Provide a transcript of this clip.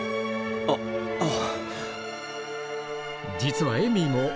あっあぁ。